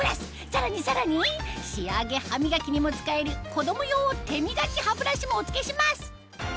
さらにさらに仕上げ歯磨きにも使える子供用手みがき歯ブラシもお付けします！